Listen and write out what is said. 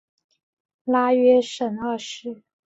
拉约什二世。